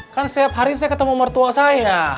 kan setiap hari saya ketemu orang tua saya